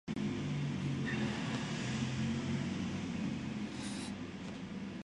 El "Noticiero" es una publicación trimestral.